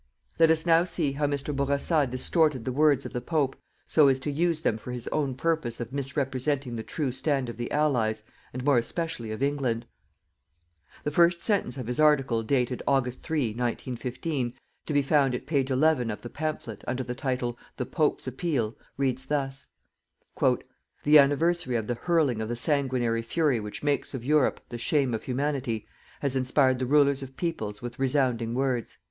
Let us now see how Mr. Bourassa distorted the words of the Pope so as to use them for his own purpose of misrepresenting the true stand of the Allies, and more especially of England. The first sentence of his article dated, August 3, 1915, to be found at page 11 of the pamphlet, under the title: "The Pope's Appeal," reads thus: "_The anniversary of the hurling of the sanguinary fury which makes of Europe the shame of Humanity has inspired the Rulers of peoples with resounding words.